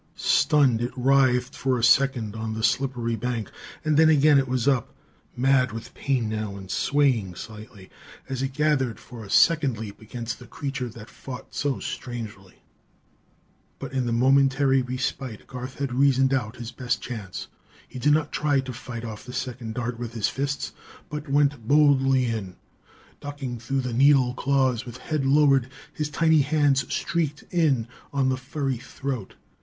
Stunned, it writhed for a second on the slippery bank; and then again it was up, mad with pain now and swaying slightly as it gathered for a second leap against this creature that fought so strangely. But in the momentary respite Garth had reasoned out his best chance. He did not try to fight off the second dart with his fists, but went boldly in. Ducking through the needle claws with head lowered, his tiny hands streaked in on the furry throat.